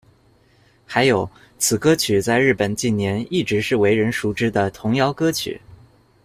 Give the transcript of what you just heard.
还有，此歌曲在日本近年一直是为人熟知的童谣歌曲。